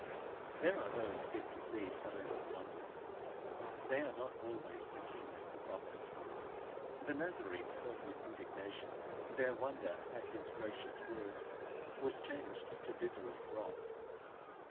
There are those fit to see signs and wonders; they are not always the kin of the prophet.' The Nazarenes heard with indignation. Their wonder at his gracious words was changed to bitterest wrath.